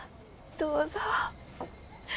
どうぞ。